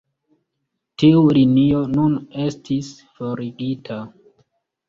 Tiu linio nun estis forigita.